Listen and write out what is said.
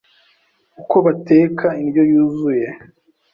Uko bateka indyo yuzuye